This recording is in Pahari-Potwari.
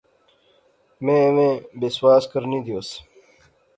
میں ایویں بسواس کرنی دیوس